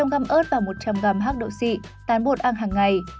một trăm linh g ớt và một trăm linh g hắc đậu xị tán bột ăn hàng ngày